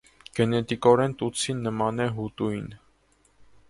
Գենետիկորեն տուտսին նման է հուտուին։